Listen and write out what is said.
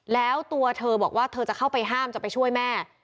แล้วตัวเธอบอกว่าเธอจะเข้าไปห้ามจะไปช่วยแม่